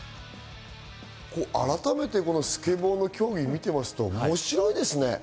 改めて、スケボーの競技を見てますと面白いですね。